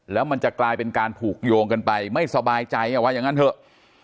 แล้วมันจะกลายเป็นการผูกโยงกันไปไม่สบายใจว่าอย่างนั้นเถอะ